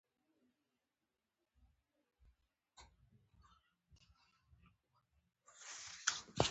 ما وویل: دغه بحث به پرېږدو، نور نو تر پزې ځیني راغلی یم.